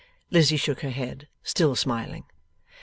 Lizzie shook her head, still smiling.